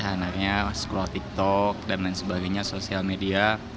anaknya keluar tiktok dan lain sebagainya sosial media